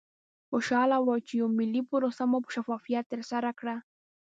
خوشحاله وو چې یوه ملي پروسه مو په شفافیت ترسره کړه.